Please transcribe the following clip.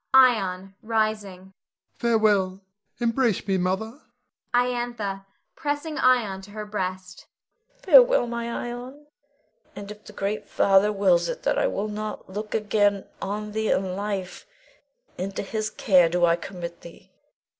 Ion [rising]. Farewell! Embrace me, Mother. Iantha [pressing Ion to her breast]. Farewell, my Ion. And if the great Father wills it that I look not again on thee in life, into His care do I commit thee.